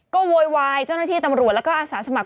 ก็โวยวายเจ้าหน้าที่ตำรวจแล้วก็อาสาสมัคร